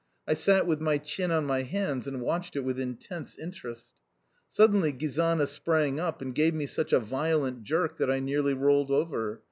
I sat with my chin on my hands and watched it with intense interest. Suddenly Gizana sprang up and gave me such a violent jerk that I nearly rolled over.